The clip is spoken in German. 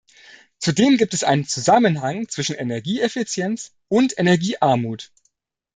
Zudem gibt es einen Zusammenhang zwischen Energieeffizienz und Energiearmut.